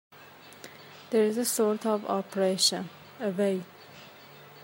There is a sort of oppression, a weight.